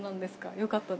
よかったんですか？